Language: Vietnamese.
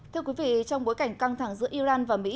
thưa quý vị trong bối cảnh căng thẳng giữa iran và mỹ